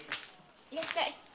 いらっしゃい。